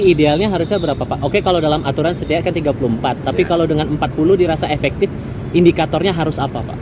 jadi idealnya harusnya berapa pak oke kalau dalam aturan setiap kan tiga puluh empat tapi kalau dengan empat puluh dirasa efektif indikatornya harus apa pak